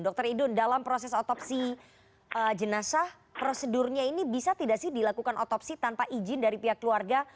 dr idun dalam proses otopsi jenazah prosedurnya ini bisa tidak sih dilakukan otopsi tanpa izin dari pihak keluarga